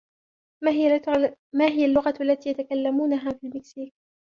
ما هي اللغة التي يتكلمونها في المكسيك ؟